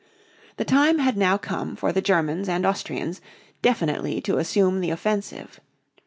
The time had now come for the Germans and Austrians definitely to assume the offensive.